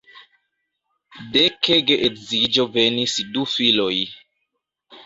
De ke geedziĝo venis du filoj.